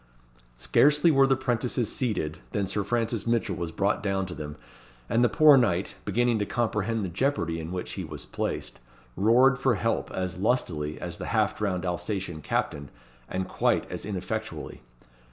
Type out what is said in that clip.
Scarcely were the 'prentices seated, than Sir Francis Mitchell was brought down to them, and the poor knight, beginning to comprehend the jeopardy in which he was placed, roared for help as lustily as the half drowned Alsatian captain, and quite as ineffectually.